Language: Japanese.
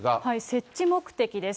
設置目的です。